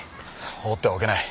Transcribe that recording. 放ってはおけない。